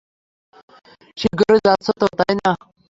শীঘ্রই যাচ্ছ তো, তাই না?